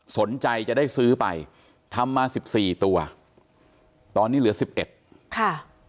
สนใจจะได้ซื้อไปทำมาสิบสี่ตัวตอนนี้เหลือสิบเอ็ดค่ะ